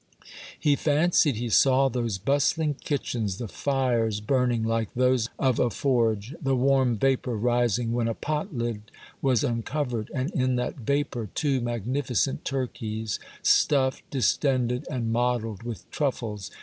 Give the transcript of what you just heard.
He fancied he saw those bustling kitchens, the fires burning like those of a forge, the warm vapor rising when a pot lid was uncovered, and in that vapor two magnificent turkeys, stuffed, dis tended, and mottled with truffles.